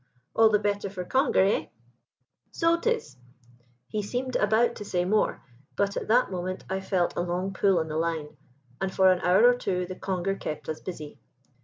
"'All the better for conger, eh?' "'So 'tis.' He seemed about to say more, but at that moment I felt a long pull on the line, and for an hour or two the conger kept us busy.